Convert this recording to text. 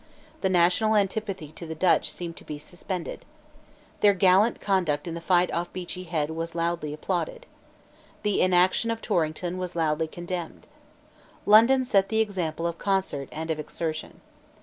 The national antipathy to the Dutch seemed to be suspended. Their gallant conduct in the fight off Beachy Head was loudly applauded. The inaction of Torrington was loudly condemned. London set the example of concert and of exertion.